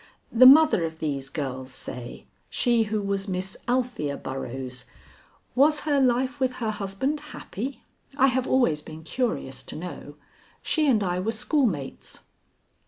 The mother of these girls, say she who was Miss Althea Burroughs was her life with her husband happy? I have always been curious to know. She and I were schoolmates."